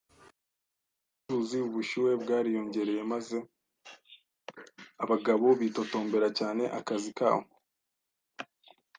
ubucuruzi. Ubushyuhe bwariyongereye, maze abagabo bitotombera cyane akazi kabo.